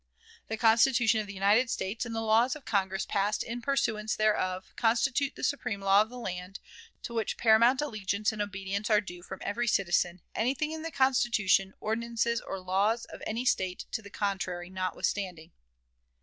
"The Constitution of the United States, and the laws of Congress passed in pursuance thereof, constitute the supreme law of the land, to which paramount allegiance and obedience are due from every citizen, anything in the Constitution, ordinances, or laws of any State to the contrary notwithstanding."